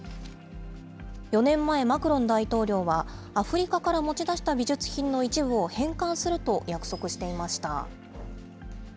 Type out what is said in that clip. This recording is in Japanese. ４年前、マクロン大統領は、アフリカから持ち出した美術品の一部を返還すると約束していました。